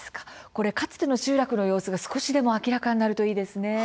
かつての集落の様子が少しでも明らかになるといいですね。